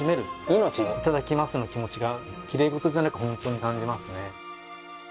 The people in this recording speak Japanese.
「命をいただきます」の気持ちがきれい事じゃなくホントに感じますね。